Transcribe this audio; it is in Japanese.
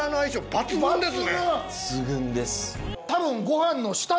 抜群です